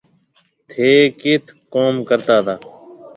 ٿي ڪيٿ ڪوم ڪرتا تا